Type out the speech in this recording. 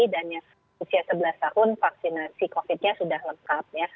dan yang usia sebelas tahun vaksinasi covid sembilan belas sudah lengkap